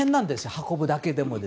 運ぶだけでも。